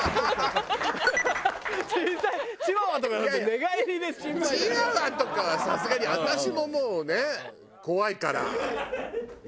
チワワとかはさすがに私ももうね怖いから。